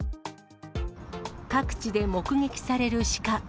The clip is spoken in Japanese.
各地で目撃されるシカ。